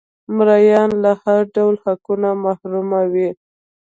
مریان له هر ډول حقونو محروم وو